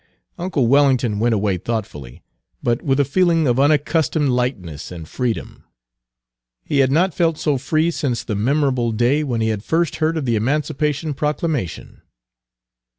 Uncle Wellington went away thoughtfully, but with a feeling of unaccustomed lightness and freedom. He had not felt so free since the memorable day when he had first heard of the Emancipation Proclamation.